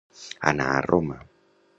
Anar a Roma.